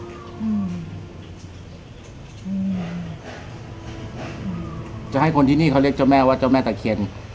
อืมจะให้คนที่นี่เขาเรียกเจ้าแม่ว่าเจ้าแม่ตะเคียน